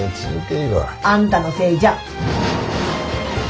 あんたのせいじゃ。